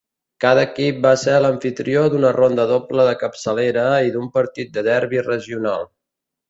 Cada equip va ser l'amfitrió d'una ronda doble de capçalera i d'un partit de derbi regional.